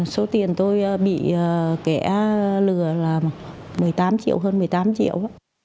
số tiền tôi bị kẻ lừa là một mươi tám triệu hơn một mươi tám triệu